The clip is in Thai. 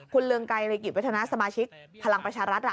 คุณเรืองไกรริกิจวัฒนาสมาชิกพลังประชารัฐ